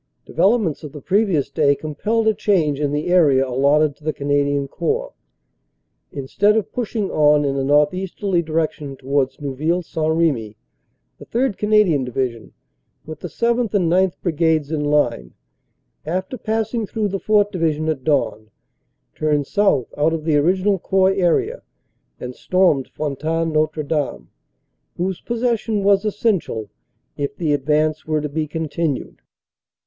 Developments of the previous day compelled a change in the area allotted to the Canadian Corps. Instead of push ing on in a northeasterly direction towards Neuville St. Remy, the 3rd. Canadian Division, with the 7th. and 9th. Brigades in line, after passing through the 4th. Division at dawn, turned south out of the original Corps area and stormed Fontaine Notre Dame, whose possession was essential if the advance were to be continued.